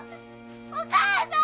お母さん！